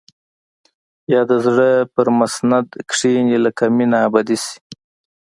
يا د زړه پر مسند کښيني لکه مينه ابدي شي.